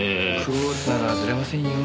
クオーツならずれませんよ。